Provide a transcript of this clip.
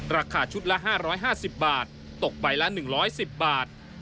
ราคาชุดละ๕๕๐บาทตกใบละ๑๑๐บาท